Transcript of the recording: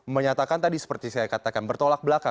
menyatakan tadi seperti saya katakan bertolak belakang